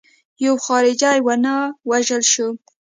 یو خارجي ونه وژل شو.